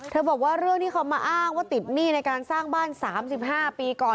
บอกว่าเรื่องที่เขามาอ้างว่าติดหนี้ในการสร้างบ้าน๓๕ปีก่อน